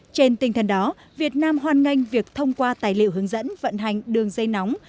trên tinh thần đó việt nam hoan nghênh việc thông qua tài liệu hướng dẫn vận hành đường dây nóng